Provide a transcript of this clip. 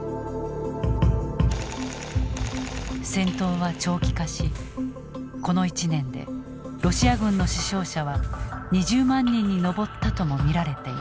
戦闘は長期化しこの１年でロシア軍の死傷者は２０万人に上ったとも見られている。